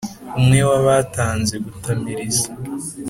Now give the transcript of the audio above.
Umwe wabatanze gutamiriza